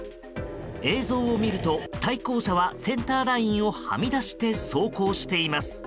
映像を見ると対向車はセンターラインをはみ出して走行しています。